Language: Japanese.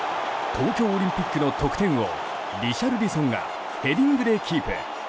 東京オリンピックの得点王リシャルリソンがヘディングでキープ。